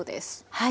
はい。